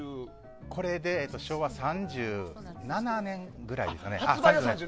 これで昭和３７年ぐらいですかね。